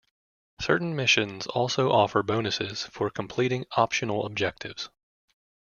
Certain missions also offer bonuses for completing optional objectives.